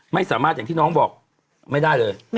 ไม่สามารถอย่างที่น้องบอกไม่ได้เลย